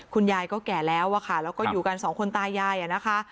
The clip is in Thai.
คุณยายก็แก่แล้วอะค่ะแล้วก็อยู่กันสองคนตายายนะคะ